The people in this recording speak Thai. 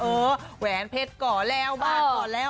แหวนเพชรก่อแล้วบ้านก่อแล้ว